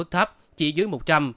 thấp chỉ dưới một trăm linh